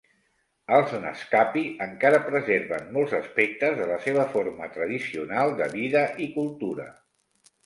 Els naskapi encara preserven molts aspectes de la seva forma tradicional de vida i cultura.